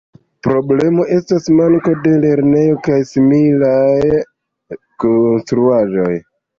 Problemo estas manko de lernejo kaj similaj konstruaĵoj.